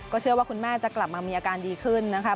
เชื่อว่าคุณแม่จะกลับมามีอาการดีขึ้นนะคะ